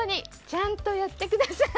ちゃんとやってください。